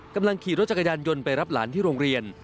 กำลังขี่รถจักรยานยนต์ไปรับหลานที่โรงเรียน